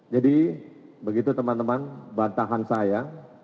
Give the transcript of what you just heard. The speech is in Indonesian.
jadi begitu teman teman bantahan saya